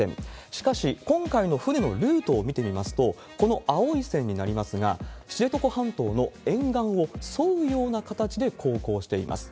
しかし、今回の船のルートを見てみますと、この青い線になりますが、知床半島の沿岸を添うような形で航行しています。